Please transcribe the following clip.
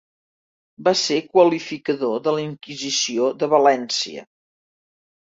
Va ser qualificador de la Inquisició de València.